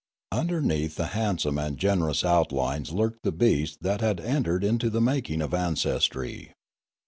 Underneath the handsome and generous outlines lurked the beast that had entered into the making of ancestry.